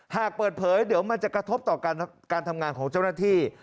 หากเปิดเผยเดี๋ยวมันจะกระทบต่อการทำงานของเจ้าหน้าที่